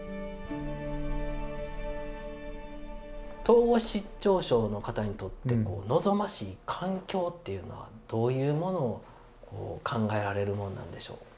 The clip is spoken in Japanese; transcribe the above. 統合失調症の方にとってこう望ましい環境っていうのはどういうものを考えられるもんなんでしょう？